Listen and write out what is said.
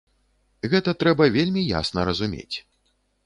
Гэта трэба вельмі ясна разумець.